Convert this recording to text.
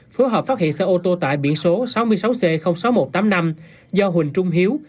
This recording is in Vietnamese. phối hợp phát hiện xe ô tô tải biển số sáu mươi sáu c sáu nghìn một trăm tám mươi năm do huỳnh trung hiếu